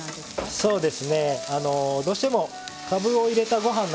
そうです。